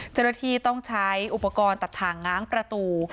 เจ้าหน้าที่ต้องใช้อุปกรณ์ตัดถ่างง้างประตู